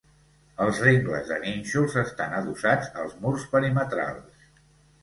Els rengles de nínxols estan adossats als murs perimetrals.